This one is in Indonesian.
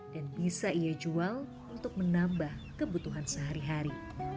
dan bisa ia jual untuk menambah kebutuhan sehari hari